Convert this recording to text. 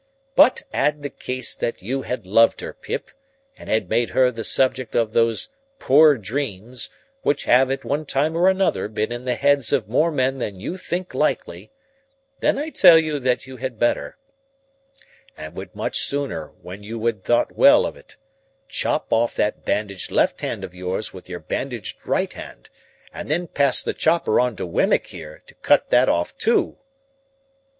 But add the case that you had loved her, Pip, and had made her the subject of those 'poor dreams' which have, at one time or another, been in the heads of more men than you think likely, then I tell you that you had better—and would much sooner when you had thought well of it—chop off that bandaged left hand of yours with your bandaged right hand, and then pass the chopper on to Wemmick there, to cut that off too."